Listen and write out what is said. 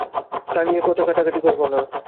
তা নিয়ে কথা কাটাকাটি করব না।